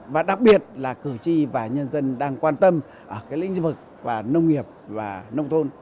và đặc biệt là cử tri và nhân dân đang quan tâm ở lĩnh vực nông nghiệp và nông thôn